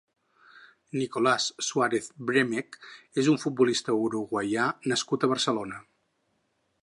Nicolás Suárez Bremec és un futbolista uruguaià nascut a Barcelona.